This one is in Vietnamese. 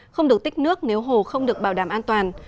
không được tích nước nếu hồ không được bảo đảm an toàn